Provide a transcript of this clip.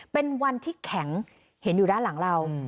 เป็นวันที่แข็งเห็นอยู่ด้านหลังเรา